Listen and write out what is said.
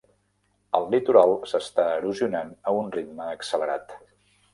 El litoral s'està erosionant a un ritme accelerat.